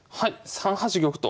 ３八玉と。